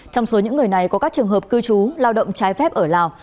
trong số những người này có các trường hợp cư trú lao động trái phép ở lào